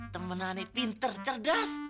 temen aneh pinter cerdas